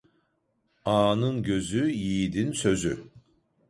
Ağanın gözü, yiğidin sözü.